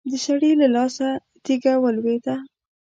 د سړي له لاسه تېږه ولوېده.